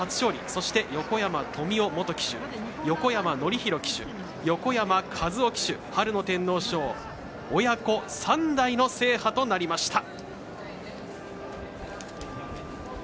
そして横山富雄元騎手横山典弘騎手横山和生騎手、春の天皇賞親子三代の制覇となりました。